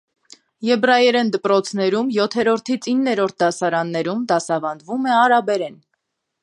Եբրայերեն դպրոցներում յոթերորդից իններորդ դասարաններում դասավանդվում է արաբերեն։